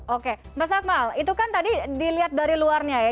oke mas akmal itu kan tadi dilihat dari luarnya ya